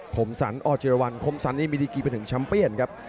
โคมสันอจิรวรรณโคมสันนี่มีดีกี่ไปถึงชัมเปญครับ